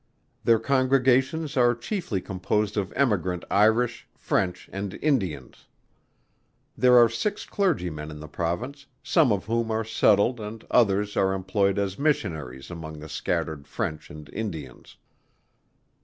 Their congregations are chiefly composed of Emigrant Irish, French, and Indians. There are six Clergymen in the Province, some of whom are settled and others are employed as Missionaries among the scattered French and Indians.